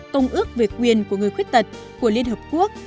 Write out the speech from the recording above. công ước về quyền của người khuyết tật của liên hợp quốc